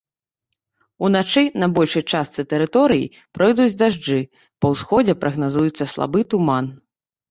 Уначы на большай частцы тэрыторыі пройдуць дажджы, па ўсходзе прагназуецца слабы туман.